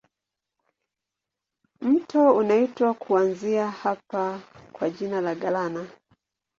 Mto unaitwa kuanzia hapa kwa jina la Galana.